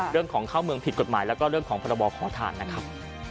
เรื่องของเข้าเมืองผิดกฎหมายแล้วก็เรื่องของพรบขอทานนะครับ